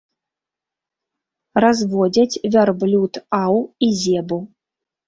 Разводзяць вярблюд аў і зебу.